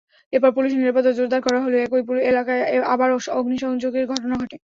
এরপর পুলিশি নিরাপত্তা জোরদার করা হলেও একই এলাকায় আবারও অগ্নিসংযোগের ঘটনা ঘটে।